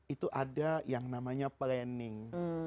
itu ada yang namanya planning